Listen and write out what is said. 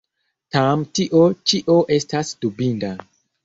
Tam tio ĉio estas dubinda.